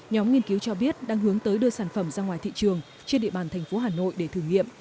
nhóm nghiên cứu cho biết đang hướng tới đưa sản phẩm ra ngoài thị trường trên địa bàn thành phố hà nội để thử nghiệm